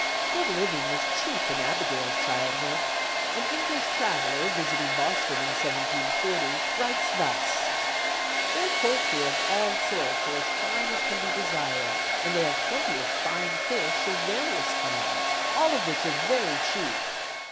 " Good living was cheap in Abigail's childhood. An English traveler, visiting Boston in 1740, writes thus: "Their poultry of all sorts are as fine as can be desired, and they have plenty of fine fish of various kinds, all of which are very cheap.